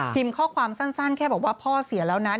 ข้อความสั้นแค่บอกว่าพ่อเสียแล้วนะ